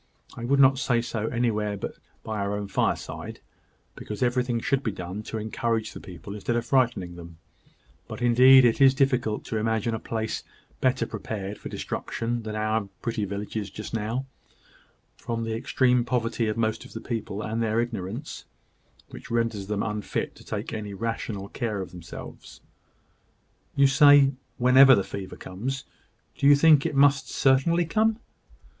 I would not say so anywhere but by our own fireside, because everything should be done to encourage the people instead of frightening them; but indeed it is difficult to imagine a place better prepared for destruction than our pretty village is just now, from the extreme poverty of most of the people, and their ignorance, which renders them unfit to take any rational care of themselves." "You say, `whenever the fever comes.' Do you think it must certainly come?"